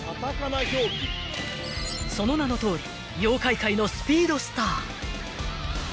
［その名のとおり妖怪界のスピードスター］